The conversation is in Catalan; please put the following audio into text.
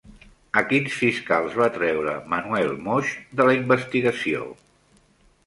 A quins fiscals va treure Manuel Moix de la investigació?